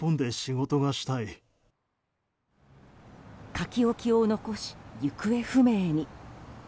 書き置きを残し、行方不明に。